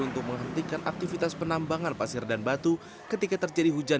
untuk menghentikan aktivitas penambangan pasir dan batu ketika terjadi hujan